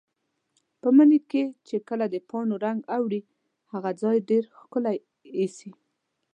په مني کې چې کله د پاڼو رنګ اوړي، هغه ځای ډېر ښکلی ایسي.